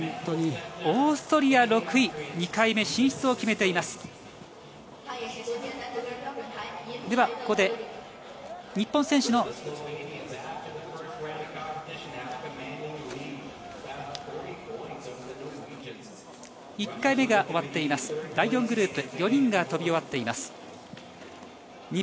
オーストリア６位、２回目進出を決めています。